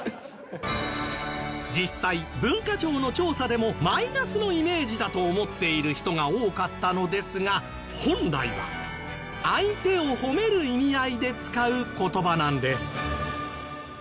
実際文化庁の調査でもマイナスのイメージだと思っている人が多かったのですが本来は相手を褒める意味合いで使う言葉なんです